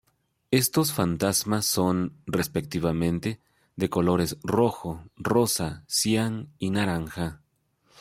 Estos fantasmas son, respectivamente, de colores rojo, rosa, cian y naranja.